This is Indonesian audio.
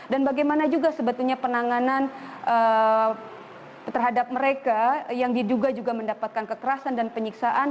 dan bagaimana juga sebetulnya penanganan terhadap mereka yang diduga juga mendapatkan kekerasan dan penyiksaan